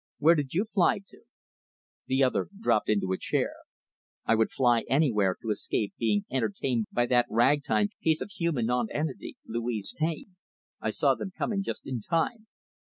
"Where did you fly to?" The other dropped into a chair. "I would fly anywhere to escape being entertained by that Ragtime' piece of human nonentity Louise Taine. I saw them coming, just in time."